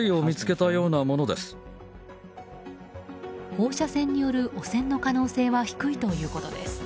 放射線による汚染の可能性は低いということです。